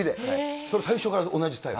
それ最初から同じスタイル？